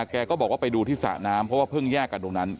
แกก็บอกว่าไปดูที่สระน้ำเพราะว่าเพิ่งแยกกันตรงนั้น